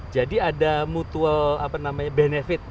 jadi ada mutual benefit